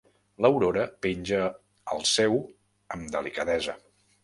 L'Aurora penja el seu amb delicadesa.